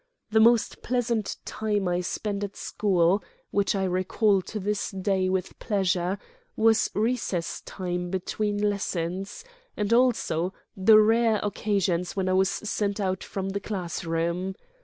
The most pleasant time I spent at school, which I recall to this day with pleasure, was recess time between lessons, and also the rare occasions when I was sent out from the classroom.